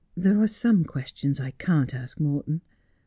' There are some questions I can't ask Morton.